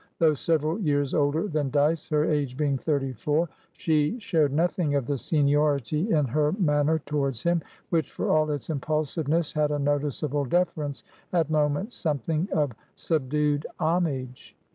Though several years older than Dyceher age being thirty fourshe showed nothing of the seniority in her manner towards him, which, for all its impulsiveness, had a noticeable deference, at moments something of subdued homage.